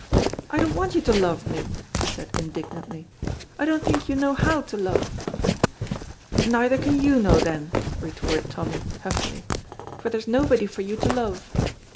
"I don't want you to love me," she said indignantly; "I don't think you know how to love." "Neither can you know, then," retorted Tommy, huffily, "for there's nobody for you to love."